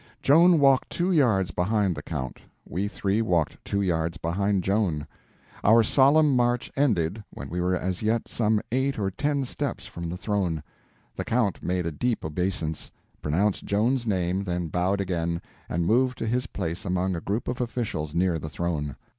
Joan walked two yards behind the Count, we three walked two yards behind Joan. Our solemn march ended when we were as yet some eight or ten steps from the throne. The Count made a deep obeisance, pronounced Joan's name, then bowed again and moved to his place among a group of officials near the throne.